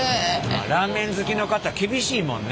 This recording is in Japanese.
ラーメン好きの方厳しいもんね。